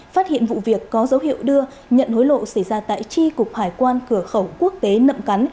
phát hiện vụ việc có dấu hiệu đưa nhận hối lộ xảy ra tại tri cục hải quan cửa khẩu quốc tế nậm cắn